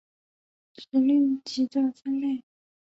指令集的分类